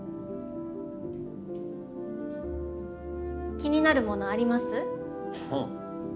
気になるものあります？